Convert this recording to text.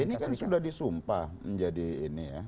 ini kan sudah disumpah menjadi ini ya